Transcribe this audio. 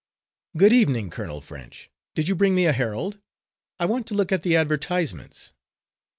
Good evening, Colonel French! Did you bring me a Herald? I want to look at the advertisements."